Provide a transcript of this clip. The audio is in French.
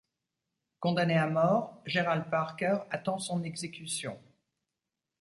Condamné à mort, Gerald Parker attend son exécution.